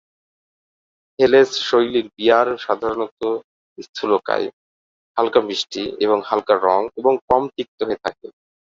হেলেস-শৈলীর beer সাধারণত স্থূলকায়, হালকা মিষ্টি এবং হালকা রঙ এবং কম তিক্ত হয়ে থাকে।